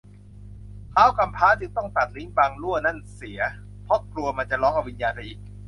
ท้าวกำพร้าจึงตัดลิ้นบ่างลั่วนั้นเสีย เพราะกลัวมันจะร้องเอาวิญญาณไปอีก